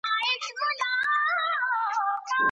په لاس لیکل د ګرامر په زده کړه کي مرسته کوي.